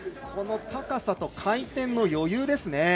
この高さと回転の余裕ですね。